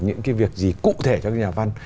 những cái việc gì cụ thể cho nhà văn